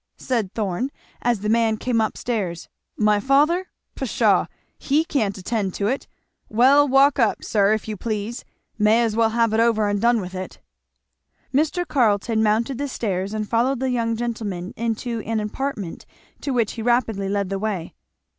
said Thorn as the man came up stairs, "my father? Pshaw! he can't attend to it Well, walk up, sir, if you please! may as well have it over and done with it." Mr. Carleton mounted the stairs and followed the young gentleman into an apartment to which he rapidly led the way.